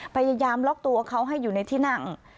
พยายามล็อกตัวเขาให้อยู่ในที่นั่ง